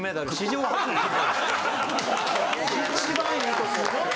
一番いいとこ。